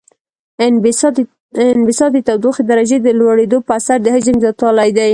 انبساط د تودوخې درجې د لوړیدو په اثر د حجم زیاتوالی دی.